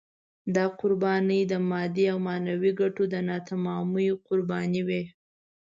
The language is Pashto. دا قربانۍ د مادي او معنوي ګټو د ناتمامیو قربانۍ وې.